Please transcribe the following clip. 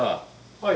はい。